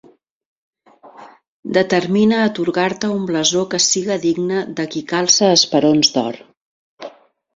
Determine atorgar-te un blasó que siga digne de qui calça esperons d'or.